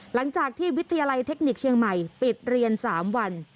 หลังจากที่วิทยาลัยเทคนิคเชียงใหม่ปิดเรียน๓วัน